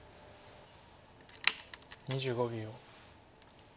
２５秒。